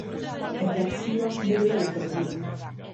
Erreakzioak berehala etorri dira.